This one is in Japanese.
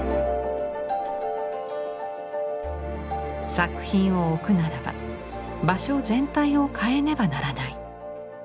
作品を置くならば場所全体を変えねばならない。